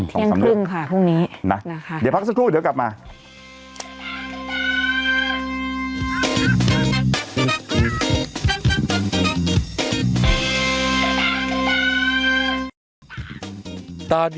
เที่ยงครึ่งค่ะพรุ่งนี้นะนะคะเดี๋ยวพักสักครู่เดี๋ยวกลับมา